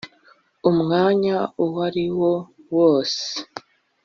umwanya uw’ariwo wose